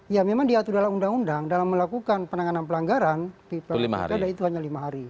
ya memang diatur dalam undang undang dalam melakukan penanganan pelanggaran itu hanya lima hari